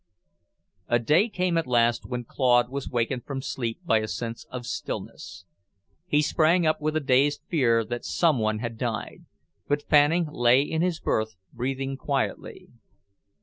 A day came at last when Claude was wakened from sleep by a sense of stillness. He sprang up with a dazed fear that some one had died; but Fanning lay in his berth, breathing quietly.